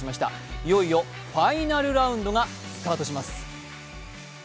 いよいよファイナルラウンドがスタートします。